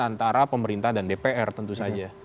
antara pemerintah dan dpr tentu saja